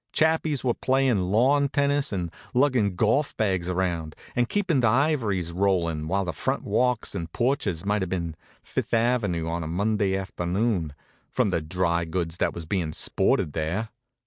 Chappies were playin' lawn tennis, and luggin' golf bags around, and keepin' the ivories rollin', while the front walks and porches might have been Fifth ave. on a Monday afternoon, from the dry goods that was bein' sported there.